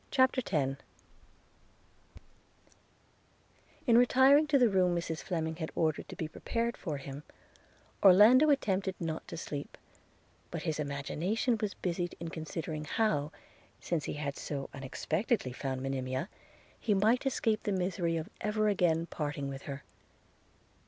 CHAPTER X IN retiring to the room Mrs Fleming had ordered to be prepared for him, Orlando attempted not to sleep, but his imagination was busied in considering how, since he had so unexpectedly found Monimia, he might escape the misery of ever again parting with her.